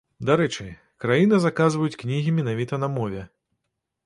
Дарэчы, краіны заказваюць кнігі менавіта на мове.